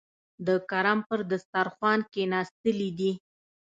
د کرم پر دسترخوان کېناستلي دي.